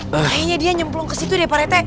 kayaknya dia nyemplung ke situ deh pak reta